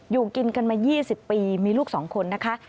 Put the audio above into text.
อยู่กินกันมา๒๐ปีมีลูก๒คนนะคะ